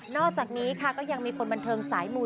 อกจากนี้ค่ะก็ยังมีคนบันเทิงสายมู